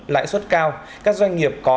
lãi suất cao các doanh nghiệp có